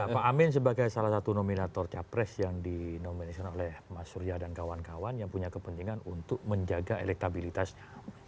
pak amin sebagai salah satu nominator capres yang dinominasikan oleh mas surya dan kawan kawan yang punya kepentingan untuk menjaga elektabilitasnya